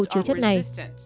chứa chất này